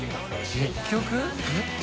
結局？